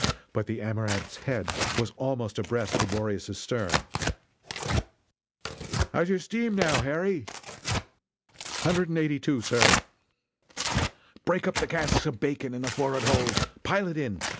But the Amaranth's head was almost abreast the Boreas's stern: "How's your steam, now, Harry?" "Hundred and eighty two, sir!" "Break up the casks of bacon in the forrard hold! Pile it in!